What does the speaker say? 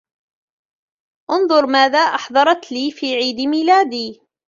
أنظر ماذا أحضرت لي في عيد ميلادي!